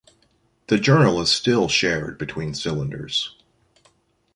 The journal is still shared between cylinders.